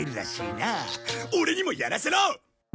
オレにもやらせろ！